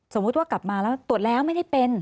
สมมุติว่ากลับมาแล้วตรวจแล้วไม่ได้เป็น